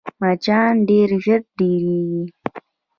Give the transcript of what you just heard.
مچان ډېر ژر ډېرېږي